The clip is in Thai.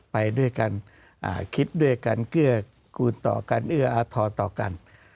ไปด้วยกันคิดด้วยกันเกื้อกูลต่อกันเอื้ออาทรต่อกัน